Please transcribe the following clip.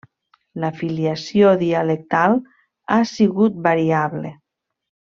La filiació dialectal ha sigut variable.